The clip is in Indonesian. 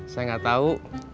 saya gak tahu